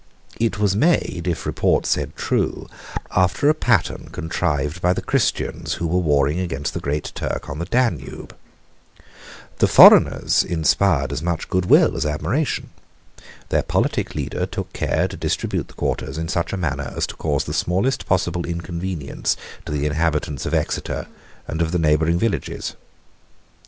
It was made, if report said true, after a pattern contrived by the Christians who were warring against the Great Turk on the Danube. The foreigners inspired as much good will as admiration. Their politic leader took care to distribute the quarters in such a manner as to cause the smallest possible inconvenience to the inhabitants of Exeter and of the neighbouring villages.